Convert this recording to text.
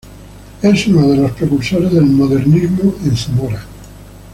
Es uno de los precursores del modernismo en Zamora.